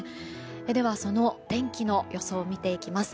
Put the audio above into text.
では、その天気の予想を見ていきます。